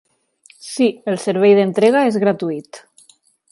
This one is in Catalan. Sí, el servei d'entrega és gratuït.